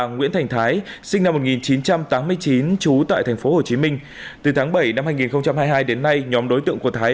nguyễn thành thái sinh năm một nghìn chín trăm tám mươi chín trú tại tp hcm từ tháng bảy năm hai nghìn hai mươi hai đến nay nhóm đối tượng của thái